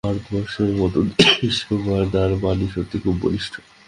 ভারতবর্ষের মত দেশেও তাঁর বাণী সত্যই খুব বলিষ্ঠ।